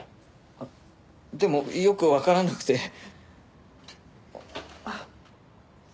でもよくわからなくて。